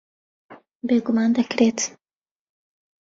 بێگومان دەکرێت.